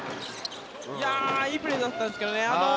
いやあいいプレーだったんですけどね。